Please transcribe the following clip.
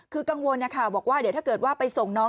คือกังวลนะคะบอกว่าเดี๋ยวถ้าเกิดว่าไปส่งน้อง